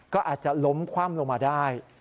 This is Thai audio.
ก็อาจจะล้มคว่ำลงมาได้